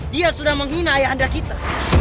dia sudah menghina ayah anda kita